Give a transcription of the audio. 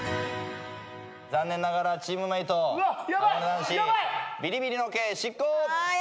残念ながらチームメートはこね男子ビリビリの刑執行。